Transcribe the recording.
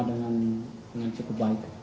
dengan cukup baik